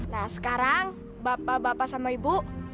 nah sekarang bapak bapak sama ibu